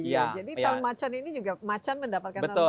jadi tahun macan ini juga macan mendapatkan tantangan